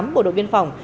bộ đội biên phòng